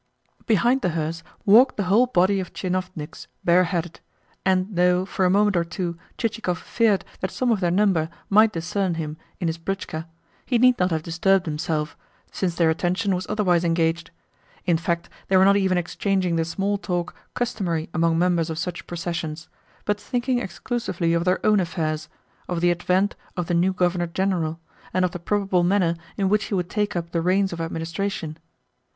Behind the hearse walked the whole body of tchinovniks, bare headed; and though, for a moment or two, Chichikov feared that some of their number might discern him in his britchka, he need not have disturbed himself, since their attention was otherwise engaged. In fact, they were not even exchanging the small talk customary among members of such processions, but thinking exclusively of their own affairs, of the advent of the new Governor General, and of the probable manner in which he would take up the reins of administration.